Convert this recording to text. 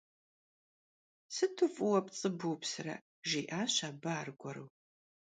Sıtu f'ıue pts'ı bupsre, - jji'aş abı argueru.